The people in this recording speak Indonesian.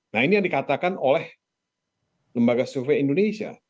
nah ini yang dikatakan oleh lembaga survei indonesia